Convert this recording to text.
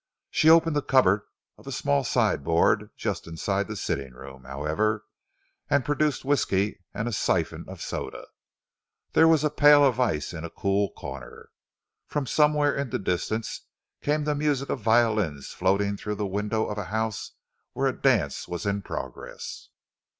She opened the cupboard of a small sideboard just inside the sitting room, however, and produced whisky and a syphon of soda. There was a pail of ice in a cool corner. From somewhere in the distance came the music of violins floating through the window of a house where a dance was in progress.